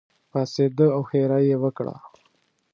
پاڅېده او ښېرا یې وکړه.